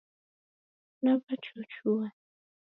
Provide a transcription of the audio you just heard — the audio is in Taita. Nawachochua